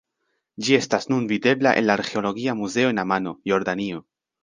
Ĝi estas nun videbla en la Arĥeologia Muzeo en Amano, Jordanio.